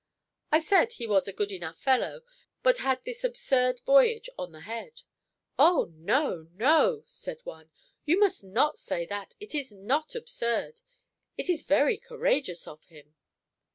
I said he was a good enough fellow, but had this absurd voyage on the head. 'O no, no,' said one, 'you must not say that; it is not absurd; it is very courageous of him.